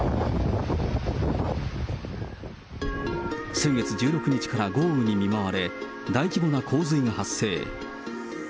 先月１６日から豪雨に見舞われ、大規模な洪水が発生。